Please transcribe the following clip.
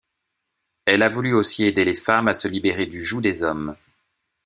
Elle a voulu aussi aider les femmes à se libérer du joug des hommes.